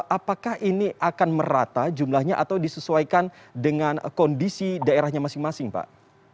apakah ini akan merata jumlahnya atau disesuaikan dengan kondisi daerahnya masing masing pak